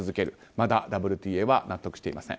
まだＷＴＡは納得していません。